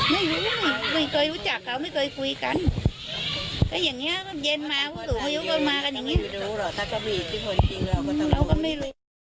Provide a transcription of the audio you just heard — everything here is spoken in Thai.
ไม่รู้ไม่เคยรู้จักเขาไม่เคยคุยกันงั้นเย็นมาพุทธมอิดวันก็มากันอย่างนี้